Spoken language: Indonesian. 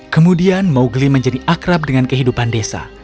kemudian mowgli menjadi akrab dengan kehidupan desa